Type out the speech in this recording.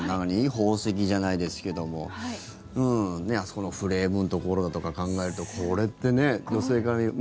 宝石じゃないですけどもあそこのフレームのところだとか考えるとこれって女性から。